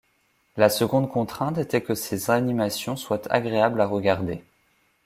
La seconde contrainte était que ces animations soient agréables à regarder.